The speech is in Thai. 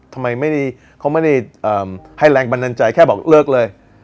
ทำไมเขาไม่ได้ให้แรงบันดาลใจแค่บอกเลิกเลย